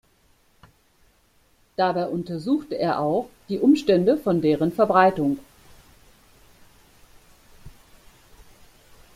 Dabei untersuchte er auch die Umstände von deren Verbreitung.